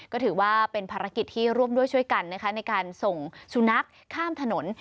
ก็ถือว่าเป็นภารกิจที่ร่วมด้วยช่วยกันนะคะในการส่งสุนัขข้ามถนน